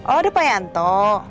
oh ada pak yanto